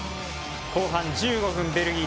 後半１５分、ベルギー。